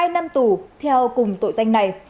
hai năm tù theo cùng tội danh này